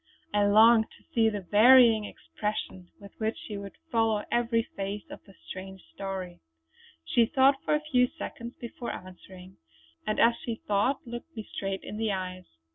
I longed to see the varying expression with which she would follow every phase of the strange story. She thought for a few seconds before answering, and as she thought looked me straight in the eyes.